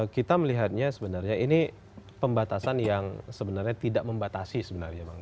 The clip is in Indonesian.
kita melihatnya sebenarnya ini pembatasan yang sebenarnya tidak membatasi sebenarnya bang